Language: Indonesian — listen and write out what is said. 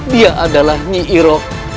dia adalah nyi iroh